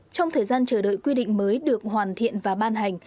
trong thời gian chờ đợi quy định mới được hoàn thiện và ban hành